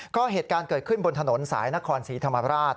ก็เหตุการณ์เกิดขึ้นบนถนนสายนครศรีธรรมราช